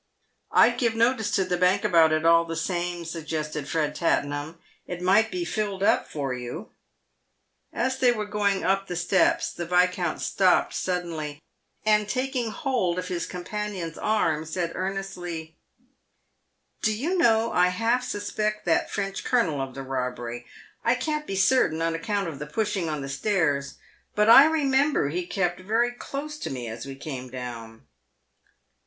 " I'd give notice to the Bank about it, all the same," suggested Fred Tattenham. " It might be filled up for you." ' As they were going up the steps the Viscount stopped suddenly, and taking hold of his companion's arm, said, earnestly, " Do you know, I half suspect that French colonel of the robbery. I can't be certain, on account of the pushing on the stairs, but I remember he kept very close to me as we came down."